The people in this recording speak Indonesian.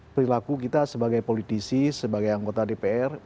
perilaku kita sebagai politisi sebagai anggota dpr